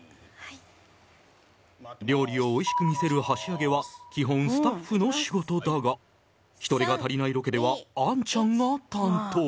料理をおいしく見せる箸上げは基本スタッフの仕事だが人手が足りないロケではアンちゃんが担当。